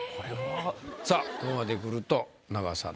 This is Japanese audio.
さあここまでくると中田さん